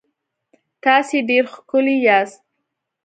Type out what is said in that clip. تاسو ډېر ښکلي یاست